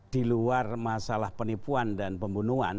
di luar masalah penipuan dan pembunuhan